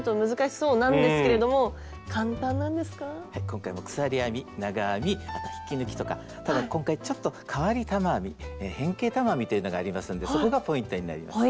今回も鎖編み長編みあと引き抜きとかただ今回ちょっと変わり玉編み変形玉編みというのがありますのでそこがポイントになります。